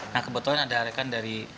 nah kebetulan ada rekan dari